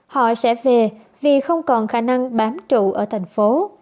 họ sẽ về vì không còn khả năng bám trụ ở thành phố